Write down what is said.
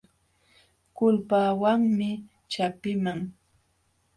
Kulpawanmi chapiiman.